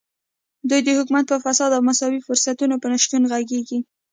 دوی د حکومت په فساد او د مساوي فرصتونو پر نشتون غږېږي.